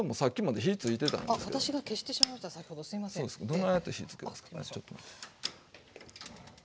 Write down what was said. どないやって火つけるの？